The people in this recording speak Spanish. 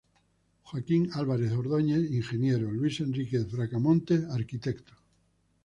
Joaquín Álvarez Ordóñez, Ing. Luis Enrique Bracamontes, Arq.